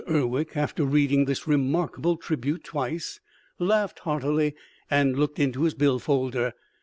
Urwick, after reading this remarkable tribute twice, laughed heartily and looked in his bill folder.